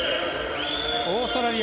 オーストラリア